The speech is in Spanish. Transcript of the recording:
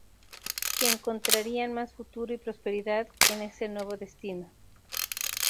Que encontrarían mas futuro y prosperidad en ese nuevo destino.